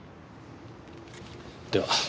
では。